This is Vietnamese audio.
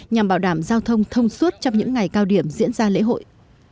nhằm bảo đảm giao thông thông suốt trong những ngày cao điểm diễn ra lễ hội